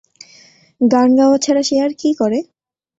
গার্ন গাওয়া ছাড়া সে আর কী করে?